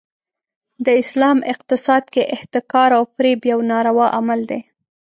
د اسلام اقتصاد کې احتکار او فریب یو ناروا عمل دی.